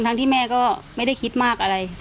ที่แม่ก็ไม่ได้คิดมากอะไร